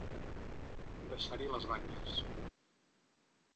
Deixar-hi les banyes.